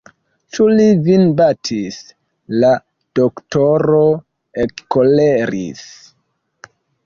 Ĉu li vin batis!? La doktoro ekkoleris.